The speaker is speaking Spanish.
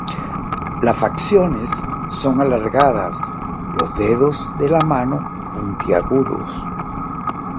Las facciones son alargadas, los dedos de la mano puntiagudos.